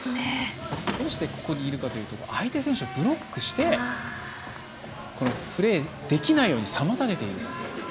どうしてここにいるかというと相手選手をブロックしてプレーできないように妨げていると。